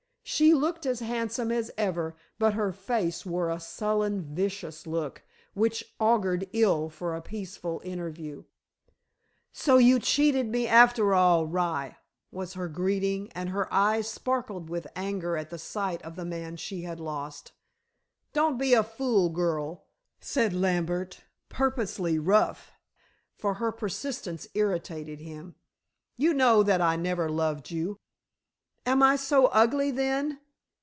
She looked as handsome as ever, but her face wore a sullen, vicious look, which augured ill for a peaceful interview. "So you cheated me after all, rye?" was her greeting, and her eyes sparkled with anger at the sight of the man she had lost. "Don't be a fool, girl," said Lambert, purposely rough, for her persistence irritated him. "You know that I never loved you." "Am I so ugly then?"